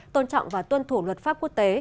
tôn trọng và tuân thủ luật pháp quốc tế